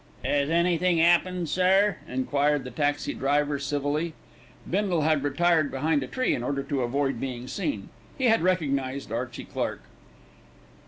"'As anythin' 'appened, sir?" enquired the taxi driver civilly. Bindle had retired behind a tree in order to avoid being seen. He had recognised Archie Clark.